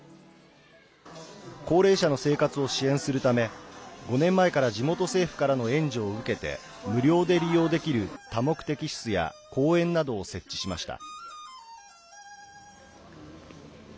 高齢者の生活を支援するため５年前から地元政府からの援助を受けて無料で利用できる多目的室や公園などを設置しました。